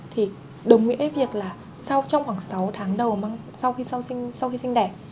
thì đồng nghĩa với việc là trong khoảng sáu tháng đầu sau khi sinh đẻ